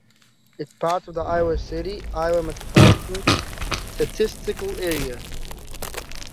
It part of the Iowa City, Iowa Metropolitan Statistical Area.